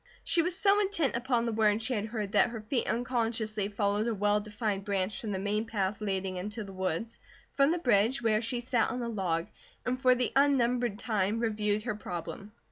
She was so intent upon the words she had heard that her feet unconsciously followed a well defined branch from the main path leading into the woods, from the bridge, where she sat on a log, and for the unnumbered time, reviewed her problem.